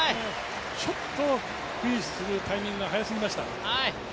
ちょっとリリースするタイミングが早すぎました。